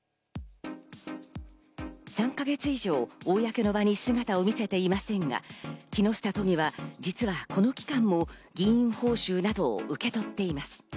３か月以上、公の場に姿を見せていませんが、木下都議は実はこの期間も議員報酬などを受け取っています。